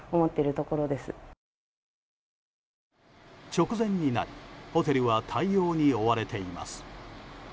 直前になり、ホテルは対応に追われています。